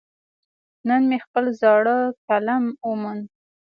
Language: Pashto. نن مې خپل زاړه قلم وموند.